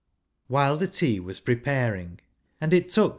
While the tea was preparing, and it took